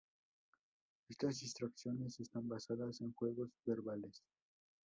Estas distracciones están basadas en juegos verbales.